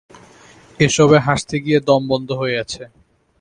এসবে হাসতে গিয়ে দম বন্ধ হয়ে আসছে।